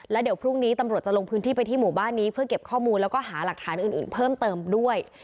แล้วเดี๋ยวพรุ่งนี้ตำรวจจะลงพื้นที่ไปที่หมู่บ้านนี้เพื่อเก็บข้อมูลแล้วก็หาหลักฐานอื่นเพิ่มเติมด้วย